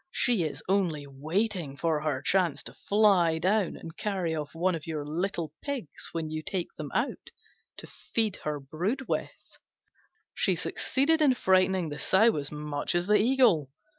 She is only waiting her chance to fly down and carry off one of your little pigs when you take them out, to feed her brood with." She succeeded in frightening the Sow as much as the Eagle.